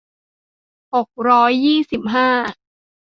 หกร้อยยี่สิบห้า